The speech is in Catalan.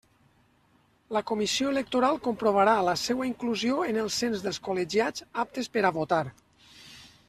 La Comissió electoral comprovarà la seua inclusió en el cens de col·legiats aptes per a votar.